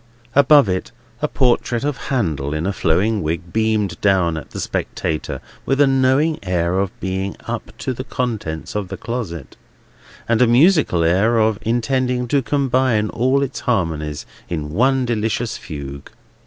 Above it, a portrait of Handel in a flowing wig beamed down at the spectator, with a knowing air of being up to the contents of the closet, and a musical air of intending to combine all its harmonies in one delicious fugue.